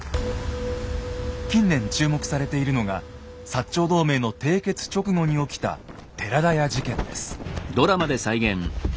近年注目されているのが長同盟の締結直後に起きたあぁっ！